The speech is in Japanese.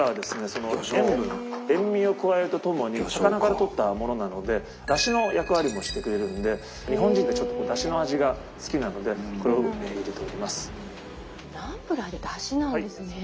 その塩分塩みを加えるとともに魚からとったものなのでだしの役割もしてくれるので日本人ってだしの味が好きなのでこれを入れております。